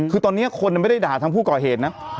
คือตอนนี้คนไม่ได้ด่าทั้งผู้ก่อเหตุนะ